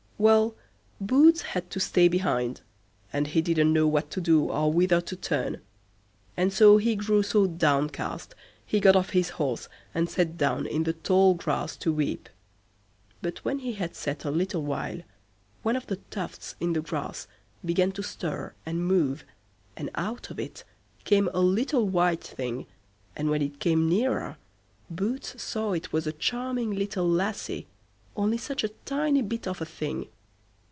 Well, Boots had to stay behind, and he didn't know what to do or whither to turn; and so he grew so downcast, he got off his horse, and sat down in the tall grass to weep. But when he had sat a little while, one of the tufts in the grass began to stir and move, and out of it came a little white thing, and when it came nearer, Boots saw it was a charming little lassie, only such a tiny bit of a thing.